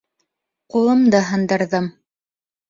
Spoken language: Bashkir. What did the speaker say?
Ҡулымды һындырҙым